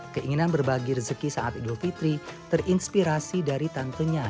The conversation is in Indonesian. keinginan berbagi rezeki saat idul fitri terinspirasi dari tantenya